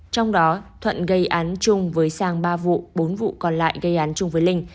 trong đó thuận gây án chung với sang ba vụ bốn vụ còn lại gây án chung với linh